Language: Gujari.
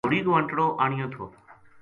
گھوڑی کو انٹڑو آنیو تھو